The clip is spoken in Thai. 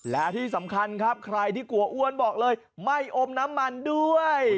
และที่สำคัญครับใครที่กลัวอ้วนบอกเลยไม่อมน้ำมันด้วย